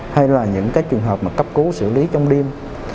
hay là những cái trường hợp mà cấp cứu xử lý trong đêm